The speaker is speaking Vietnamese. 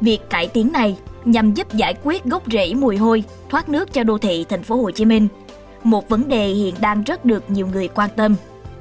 việc cải tiến này nhằm giúp giải quyết gốc rễ mùi hôi thoát nước cho đô thị tp hcm một vấn đề hiện đang rất được nhiều người quan tâm